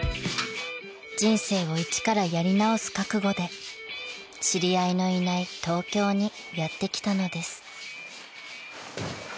［人生を一からやり直す覚悟で知り合いのいない東京にやって来たのです］